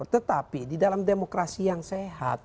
tetapi di dalam demokrasi yang sehat